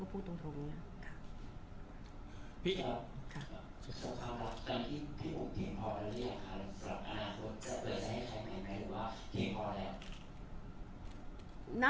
คุณผู้ถามเป็นความขอบคุณค่ะ